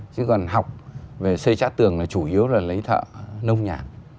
chứ còn học về xây trá tường là chủ yếu là lấy thợ nông nhàn